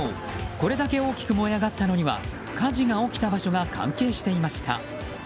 これだけ大きく燃え上がったのには火事が起きた場所が関係していました。